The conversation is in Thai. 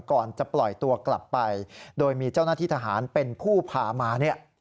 ก่อนจะปล่อยตัวกลับไปโดยมีเจ้าหน้าที่ทหารเป็นผู้พามาเนี่ย